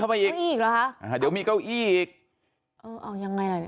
เอ้ายังไงล่ะเนี่ย